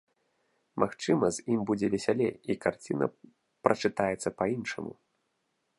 Магчыма, з ім будзе весялей, і карціна прачытаецца па-іншаму.